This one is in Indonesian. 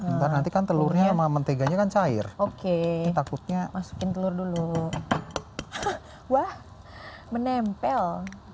nanti kan telurnya sama menteganya kan cair oke takutnya masukin telur dulu wah menempel